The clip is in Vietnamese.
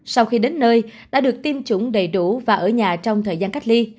sau khi đến nơi đã được tiêm chủng đầy đủ và ở nhà trong thời gian cách ly